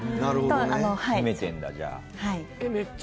攻めてんだじゃあ。